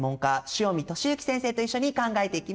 汐見稔幸先生と一緒に考えていきます。